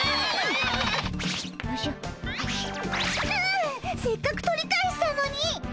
あせっかく取り返したのにっ！